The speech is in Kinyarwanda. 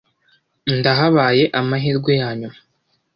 Ndabahaye amahirwe yanyuma.